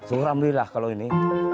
alhamdulillah kalau ini